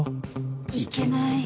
行けない